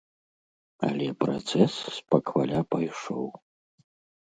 Але працэс спакваля пайшоў.